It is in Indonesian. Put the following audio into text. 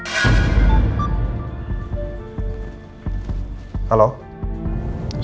saya nggak perlu berbasi basi sama anda